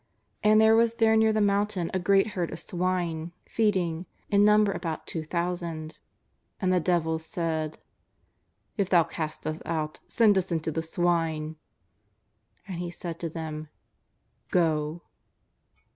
And there was there near the mountain a gi eat herd of swine feeding, in number about two thousand. And the devils said :" If Thou cast us out, send us into the swine." And He said to them :'' Go